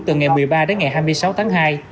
từ ngày một mươi ba đến ngày hai mươi sáu tháng hai